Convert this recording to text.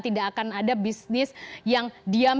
tidak akan ada bisnis yang diam